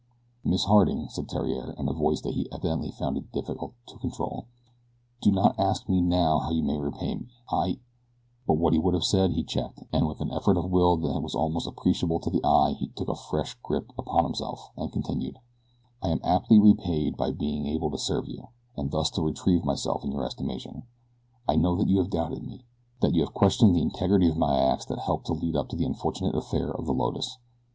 "Miss Harding," said Theriere, in a voice that he evidently found it difficult to control, "do not ask me now how you may repay me; I ;" but what he would have said he checked, and with an effort of will that was almost appreciable to the eye he took a fresh grip upon himself, and continued: "I am amply repaid by being able to serve you, and thus to retrieve myself in your estimation I know that you have doubted me; that you have questioned the integrity of my acts that helped to lead up to the unfortunate affair of the Lotus.